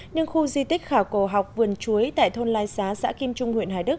nhưng khu di tích khảo cổ học vườn chuối tại thôn lai xá xã kim trung huyện hải đức